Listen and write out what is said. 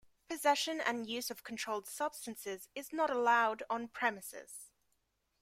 Possession and use of controlled substances is not allowed on premises.